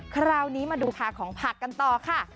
คราวนี้มาดูคาของผักกันต่อค่ะ